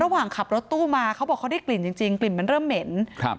ระหว่างขับรถตู้มาเขาบอกเขาได้กลิ่นจริงจริงกลิ่นมันเริ่มเหม็นครับ